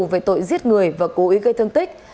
về tội giết người và cố ý gây thương tích